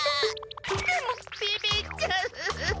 でもビビっちゃう！